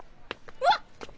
うわっ。